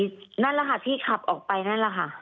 นั่นแหละค่ะที่ขับออกไปนั่นแหละค่ะ